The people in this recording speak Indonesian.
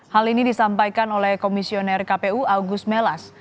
hal ini disampaikan oleh komisioner kpu agus melas